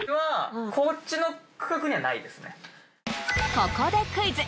ここでクイズ！